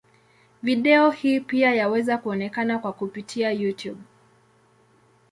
Video hii pia yaweza kuonekana kwa kupitia Youtube.